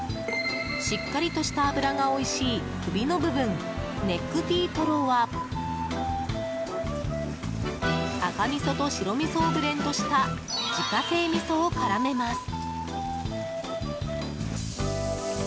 しっかりとした脂がおいしい首の部分、ネックピートロは赤みそと白みそをブレンドした自家製みそを絡めます。